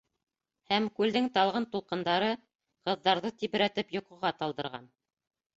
Һәм күлдең талғын тулҡындары ҡыҙҙарҙы тибрәтеп йоҡоға талдырған.